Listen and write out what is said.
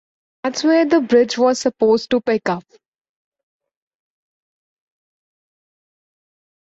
That's where the bridge was supposed to pick up.